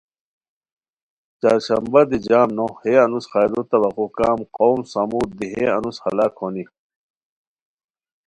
چہار شنبہ: دی جم نو ہے انوس خیرو توقع کم قومِ ثمود ہے انوس ہلاک ہونی